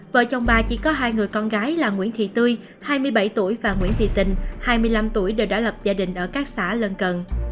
vợ chồng bà chỉ có hai người con gái là nguyễn thị tươi hai mươi bảy tuổi và nguyễn thị tình hai mươi năm tuổi đều đã lập gia đình ở các xã lân cận